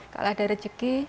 kalau ada rezeki